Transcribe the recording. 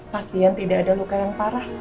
pasien tidak ada luka yang parah